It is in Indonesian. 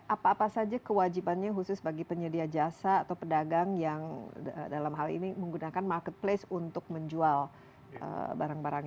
apa apa saja kewajibannya khusus bagi penyedia jasa atau pedagang yang dalam hal ini menggunakan marketplace untuk menjual barang barang